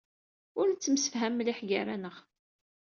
Ur nettemsefham mliḥ gar-aneɣ.